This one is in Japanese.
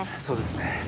そうですね。